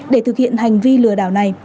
để thực hiện hành vi lừa đảo này